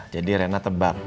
jadi rena tebak